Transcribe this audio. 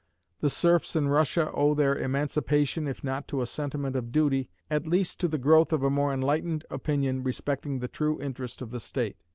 The serfs in Russia owe their emancipation, if not to a sentiment of duty, at least to the growth of a more enlightened opinion respecting the true interest of the state.